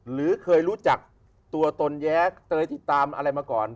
หรือเคยรู้จักตัวตนแย้เตยที่ตามอะไรมาก่อน